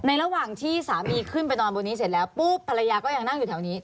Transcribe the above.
ระหว่างที่สามีขึ้นไปนอนบนนี้เสร็จแล้วปุ๊บภรรยาก็ยังนั่งอยู่แถวนี้